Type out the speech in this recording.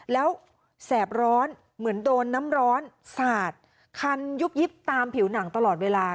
แล้วแสบร้อนเหมือนโดนน้ำร้อนสาดคันยุบยิบตามผิวหนังตลอดเวลา